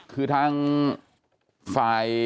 คือทางฝ่าย